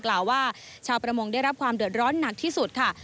กล่าวว่าชาวประมงได้รับความเดือดร้อนหนักที่สุดค่ะ